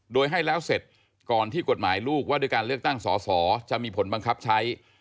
โดยให้แล้วเสร็จก่อนที่กฎหมายลูกว่าด้วยการเลือกตั้งสอสอจะมีผลบังคับใช้